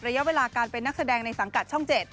ระยะเวลาการเป็นนักแสดงในสังกัดช่อง๗